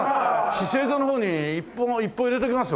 資生堂の方に一報を入れときますわ。